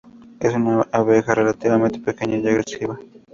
Es una abeja relativamente pequeña y agresiva.